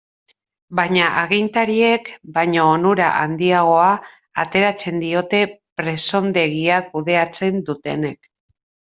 Baina agintariek baino onura handiagoa ateratzen diote presondegia kudeatzen dutenek.